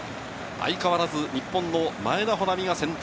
相変わらず日本の前田穂南が先頭。